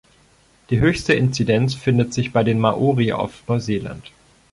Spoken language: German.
Die höchste Inzidenz findet sich bei den Maori auf Neuseeland.